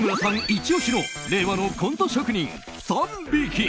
イチ押しの令和のコント職人、三匹。